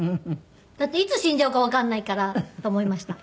だっていつ死んじゃうかわかんないからと思いました。